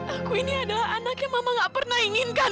aku ini adalah anak yang mama gak pernah inginkan